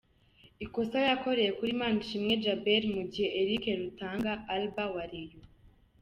ikosa yakoreye kuri Manishimwe Djabel mu gihe Eric Rutanga Alba wa Rayon